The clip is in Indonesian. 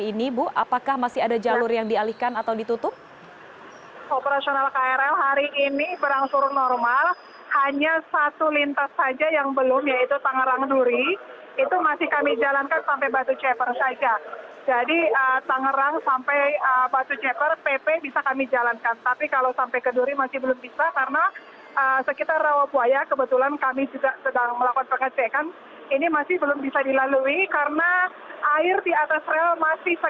ini masih belum bisa dilalui karena air di atas rel masih sekitar tiga puluh lima puluh cm